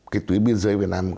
cái tuyến biên giới việt nam